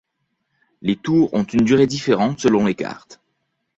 Les tours ont une durée différente selon les cartes.